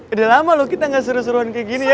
udah lama loh kita gak seru seruan kayak gini ya